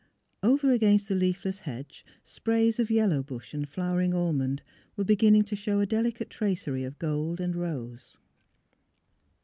Over against the leafless hedge sprays of *' yellow bush " and flowering almond were be ginning to show a delicate tracery of gold and rose.